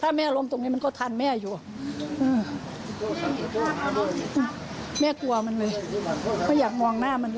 ถ้าแม่ล้มตรงนี้มันก็ทันแม่อยู่อืมแม่กลัวมันเลยเขาอยากมองหน้ามันเลย